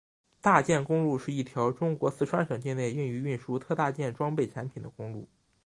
大件公路是一条中国四川省境内用于运输特大件装备产品的公路。